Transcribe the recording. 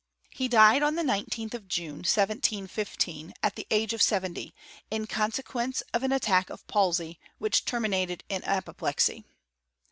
He died on the 19th of June, 1715, at the age of seventy, in consequence of an at tack of palsy, which terminated in apoplexy.